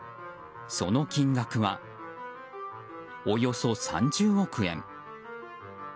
その金額は、およそ３０億円。